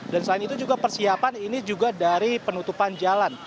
dan selain itu juga persiapan ini juga dari penutupan jalan